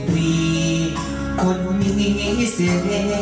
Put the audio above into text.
เป็นยังไงจ๊ะ